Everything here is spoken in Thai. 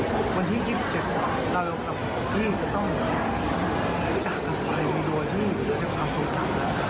ในวันที่๒๗หวานเราก็คิดว่าพี่จะไปโดยวิทยาความสุขนะ